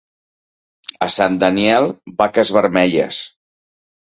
A Sant Daniel, vaques vermelles.